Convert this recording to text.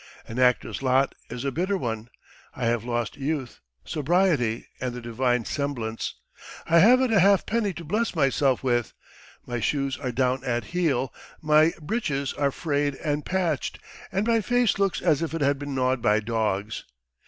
... An actor's lot is a bitter one! I have lost youth, sobriety, and the divine semblance. ... I haven't a half penny to bless myself with, my shoes are down at heel, my breeches are frayed and patched, and my face looks as if it had been gnawed by dogs.